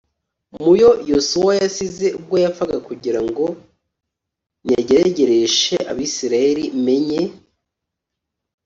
mu yo Yosuwa yasize ubwo yapfaga kugira ngo nyageragereshe Abisirayeli menye